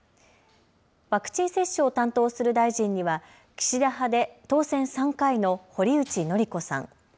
ワクチン接種を担当する大臣には岸田派で当選３回の堀内詔子さん。